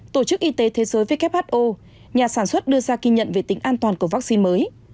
với thế giới who nhà sản xuất đưa ra kinh nhận về tính an toàn của vaccine mới